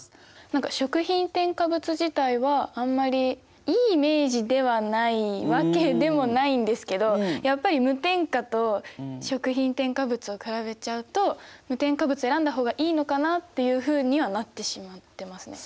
何か食品添加物自体はあんまりいいイメージではないわけでもないんですけどやっぱり無添加と食品添加物を比べちゃうと無添加物選んだ方がいいのかなっていうふうにはなってしまってますね。